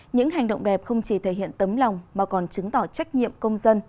những hành động đẹp không chỉ thể hiện tấm lòng mà còn chứng tỏ trách nhiệm công dân